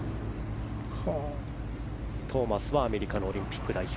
トーマスはアメリカのオリンピック代表。